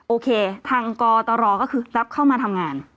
โอเคทางกตรก็คือรับเข้ามาทำงาน